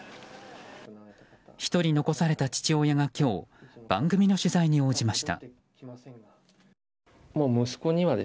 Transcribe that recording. １人残された父親が今日、番組の取材に応じました。